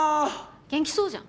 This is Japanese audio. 元気そうじゃん。